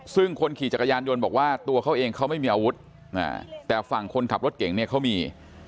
ซึ่งคนขี่จักรยานยนต์บอกว่าตัวเขาเองเขาไม่มีอาวุธแต่ฝั่งคนขับรถเก่งเนี่ยเขามี